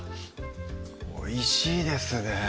おいしいですね